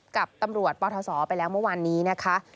กับตำรวจปทศไปแล้วเมื่อวานนี้นะคะ